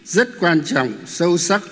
rất quan trọng sâu sắc